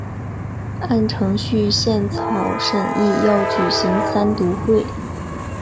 按程序宪草审议要举行三读会。